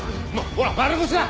ほら丸腰だ。